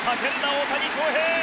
大谷翔平。